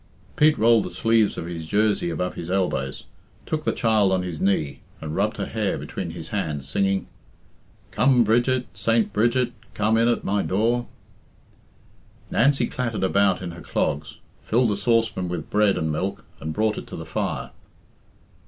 Pete rolled the sleeves of his jersey above his elbows, took the child on his knee, and rubbed her hair between his hands, singing "Come, Bridget, Saint Bridget, come in at my door." Nancy clattered about in her clogs, filled a saucepan with bread and milk, and brought it to the fire.